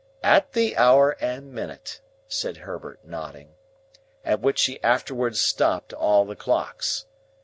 "At the hour and minute," said Herbert, nodding, "at which she afterwards stopped all the clocks.